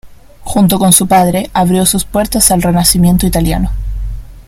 Junto con su padre, abrió sus puertas al Renacimiento italiano.